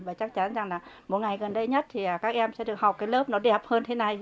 và chắc chắn rằng là mỗi ngày gần đây nhất thì các em sẽ được học cái lớp nó đẹp hơn thế này